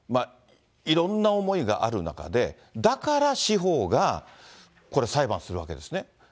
いろんな思いがある中で、だから司法がこれ、裁判するわけですよね。